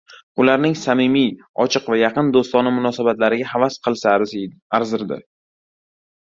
Ularning samimiy, ochiq va yaqin do‘stona munosabatlariga havas qilsa arzirdi